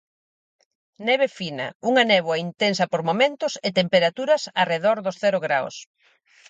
Neve fina, unha néboa intensa por momentos e temperaturas arredor dos cero graos.